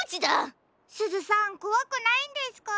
すずさんこわくないんですか？